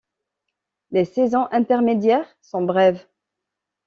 Les saisons intermédiaires sont brèves.